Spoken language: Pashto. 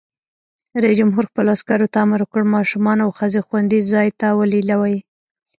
رئیس جمهور خپلو عسکرو ته امر وکړ؛ ماشومان او ښځې خوندي ځای ته ولېلوئ!